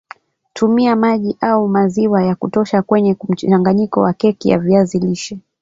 Tumia maji au maziwa ya kutosha kwenye mchanganyiko wa keki ya viazi lishe